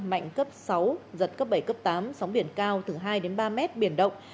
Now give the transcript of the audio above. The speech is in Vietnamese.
mạnh cấp sáu giật cấp bảy cấp tám sóng biển cao từ hai đến ba mét biển động